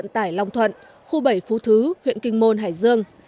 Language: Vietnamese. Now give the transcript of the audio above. tại khu bảy phú thứ huyện kinh môn hải dương